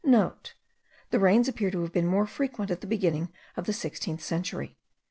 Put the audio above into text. (* The rains appear to have been more frequent at the beginning of the 16th century.